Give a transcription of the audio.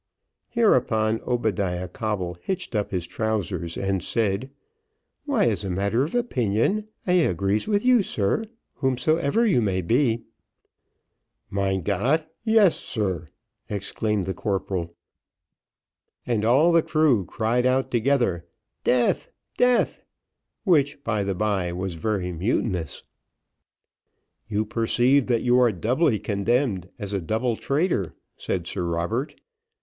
Hereupon, Obadiah Coble hitched up his trousers, and said, "Why, as a matter of opinion, I agrees with you, sir, whomsoever you may be." "Mein Gott! yes, sir," exclaimed the corporal. And all the crew cried out together, "Death death!" which, by the bye, was very mutinous. "You perceive that you are doubly condemned as a double traitor," said Sir Robert.